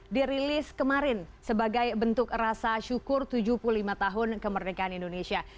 dirilis kemarin sebagai bentuk rasa syukur tujuh puluh lima tahun kemerdekaan indonesia